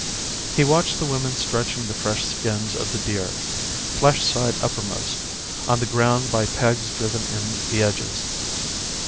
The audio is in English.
He watched the women stretching the fresh skins of the deer, flesh side uppermost, on the ground by pegs driven in the edges.